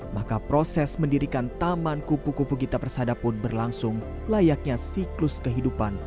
maka proses mendirikan taman kupu kupu gita persada pun berlangsung layaknya siklus kehidupan